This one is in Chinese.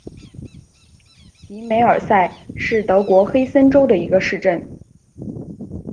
迪梅尔塞是德国黑森州的一个市镇。